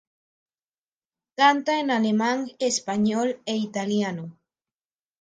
Canta en alemán, español e italiano.